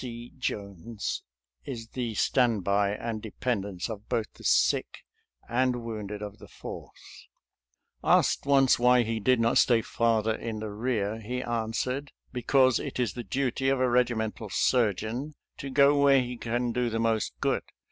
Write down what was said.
0. Jones is the standby and dependence of both the sick and wounded of the Fourth. Asked once why he did not stay farther in the rear, he answered, " Be cause it is the duty of a regimental surgeon to go where he can do the most good.